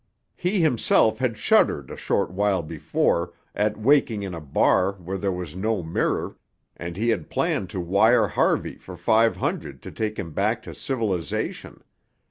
He himself had shuddered a short while before, at waking in a bar where there was no mirror, and he had planned to wire Harvey for five hundred to take him back to civilisation.